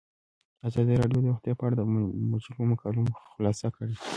ازادي راډیو د روغتیا په اړه د مجلو مقالو خلاصه کړې.